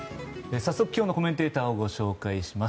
早速、今日のコメンテーターをご紹介します。